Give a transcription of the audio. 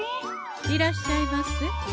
いらっしゃいませ。